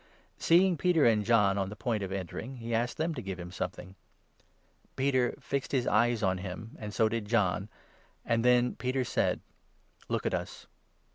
Seeing Peter and John on the point of 3 entering, he asked them to give him something. Peter fixed 4 his eyes on him, and so did John, and then Peter said : "Look at us."